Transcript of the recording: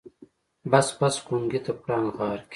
بس بس ګونګي ته پړانګ غار کې.